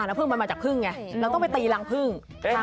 พึ่งมันมาจากพึ่งไงเราต้องไปตีรังพึ่ง